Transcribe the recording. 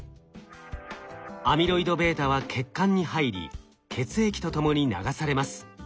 アミロイドβは血管に入り血液とともに流されます。